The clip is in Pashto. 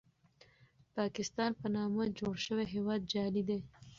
پاکستان په نامه جوړ شوی هېواد جعلي دی.